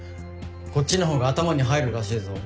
こっちの方が頭に入るらしいぞ。